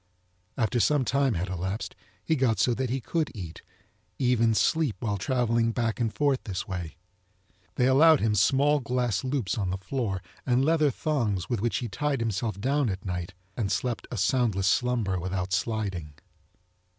After some time had elapsed he got so that he could eat, even sleep while travelling back and forth this way. They allowed him small glass loops on the floor and leather thongs with which he tied himself down at nite and slept a soundless slumber without sliding.